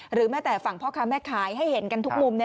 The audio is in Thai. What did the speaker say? แม้แต่ฝั่งพ่อค้าแม่ขายให้เห็นกันทุกมุม